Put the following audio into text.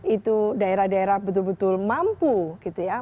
itu daerah daerah betul betul mampu gitu ya